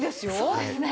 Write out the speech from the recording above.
そうですね。